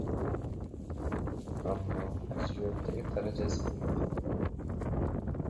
ammo hajviyotdagi darajasi bunga qaramaydi.